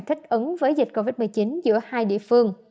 thích ứng với dịch covid một mươi chín giữa hai địa phương